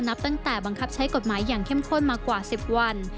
นับตั้งแต่บังคับใช้กฎหมายอย่างเข้มข้นมากว่า๑๐วัน